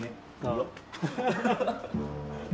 よっ！